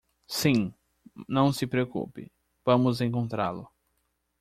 Sim, não se preocupe, vamos encontrá-lo.